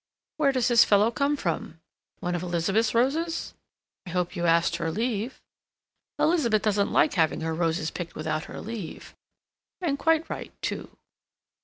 "Where does this fellow come from? One of Elizabeth's roses—I hope you asked her leave. Elizabeth doesn't like having her roses picked without her leave, and quite right, too."